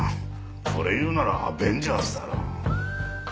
それ言うならアベンジャーズだろ。